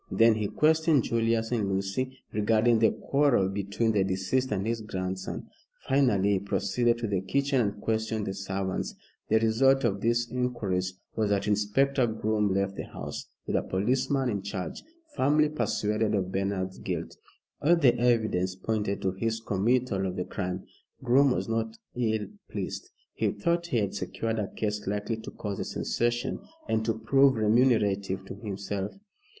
Then he questioned Julius and Lucy regarding the quarrel between the deceased and his grandson. Finally he proceeded to the kitchen and questioned the servants. The result of these inquiries was that Inspector Groom left the house with a policeman in charge firmly persuaded of Bernard's guilt. All the evidence pointed to his committal of the crime. Groom was not ill pleased. He thought he had secured a case likely to cause a sensation, and to prove remunerative to himself.